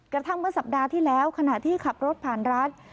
กระทั่งเมื่อสัปดาห์ที่แล้วขณะที่ขับรถผ่านรัฐ